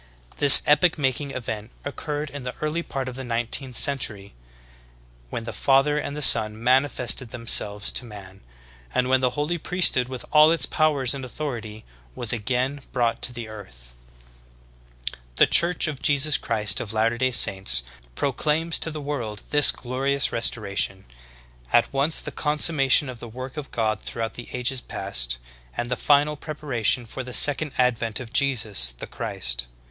This epoch making event occurred in the early part of the nineteenth century, when the Father and the Son manifested themselves to man, and when the Holy Priesthood with all its powers and authority was again brought to earth. 33. The Church of Jesus Christ of Latter day Saints pro * Pearl of Great Price, p. 85, par. 19. 164 THE GREAT APOSTASY. claims to the world this glorious restoration, — at once the consummation of the work of God throughout the ages past, and the final preparation for the second advent of Jesus, the Christ.